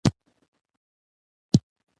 هیواد مې د شهیدانو امانت دی